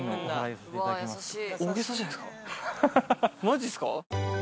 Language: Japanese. マジっすか？